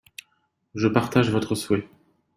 Je partage votre souhait.